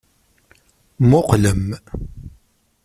Muqqlem!